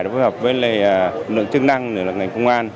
đã phối hợp với lực lượng chức năng